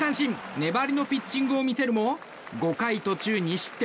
粘りのピッチングを見せるも５回途中２失点。